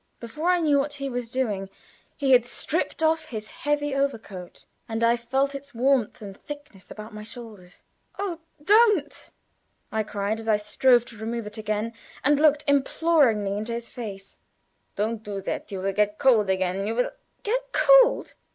Before I knew what he was doing, he had stripped off his heavy overcoat, and I felt its warmth and thickness about my shoulders. "Oh, don't!" I cried, in great distress, as I strove to remove it again, and looked imploringly into his face. "Don't do that. You will get cold; you will " "Get cold!"